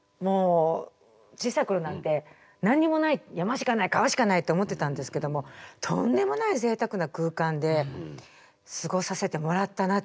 小さい頃なんて何にもない山しかない川しかないと思ってたんですけどもとんでもないぜいたくな空間で過ごさせてもらったなっていう。